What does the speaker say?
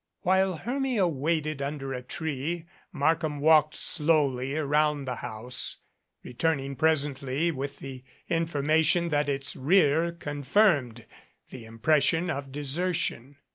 While Hermia waited under a tree Markham walked slowly around the house, returning presently with the information that its rear confirmed the impression of desertion.